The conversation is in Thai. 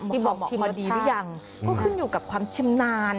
พี่บอกมาดีหรือยังเขาขึ้นอยู่กับความชำนาญ